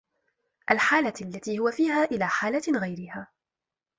الْحَالَةِ الَّتِي هُوَ فِيهَا إلَى حَالَةٍ غَيْرِهَا